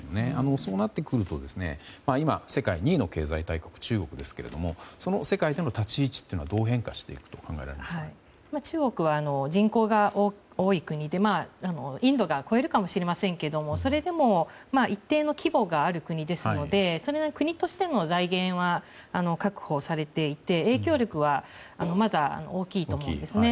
そうなってくると今、世界２位の経済大国の中国ですがその世界での立ち位置というのはどう変化していくと中国は人口が多い国でインドが超えるかもしれませんがそれでも一定の規模がある国ですのでそれなりに国としての財源は確保されていて影響力はまだ大きいと思います。